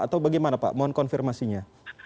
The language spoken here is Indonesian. atau bagaimana pak mohon konfirmasinya